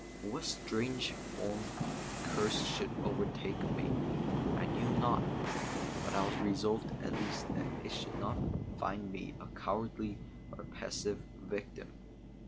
In what strange form the curse should overtake me, I knew not; but I was resolved at least that it should not find me a cowardly or a passive victim.